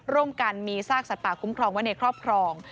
ร่วมกันมีซากสัตว์ป่าคุ้มครองไว้ในครอบครอง